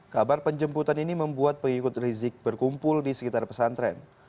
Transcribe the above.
kabar penjemputan ini membuat pengikut rizik berkumpul di sekitar pesantren